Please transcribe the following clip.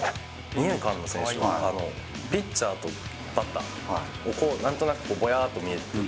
二遊間の選手は、ピッチャーとバッター、なんとなくぼやっと見ている。